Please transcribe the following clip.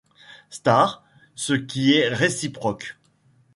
Star, ce qui est réciproque.